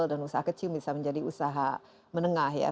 dan usaha kecil bisa menjadi usaha menengah ya